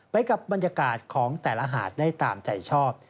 ไปกับบรรยากาศของแต่ละหาดได้ตามใจชอบ